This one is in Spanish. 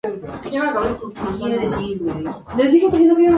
Mitre de Villa Crespo.